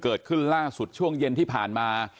เกิดขึ้นล่าสุดช่วงเย็นที่ผ่านมา